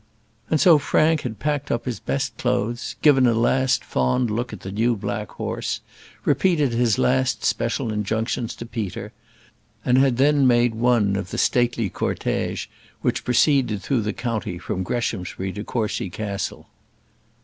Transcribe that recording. And so Frank had packed up his best clothes, given a last fond look at the new black horse, repeated his last special injunctions to Peter, and had then made one of the stately cortège which proceeded through the county from Greshamsbury to Courcy Castle.